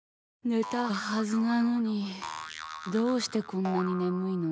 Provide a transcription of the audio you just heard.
寝たはずなのにどうしてこんなに眠いの。